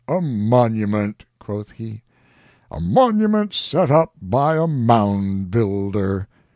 "A monument!" quoth he. "A monument setup by a Mound Builder!